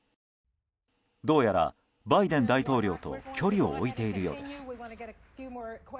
どうやらバイデン大統領と距離を置いているようです。